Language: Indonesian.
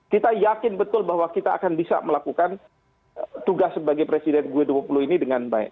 kita yakin betul bahwa kita akan bisa melakukan tugas sebagai presiden g dua puluh ini dengan baik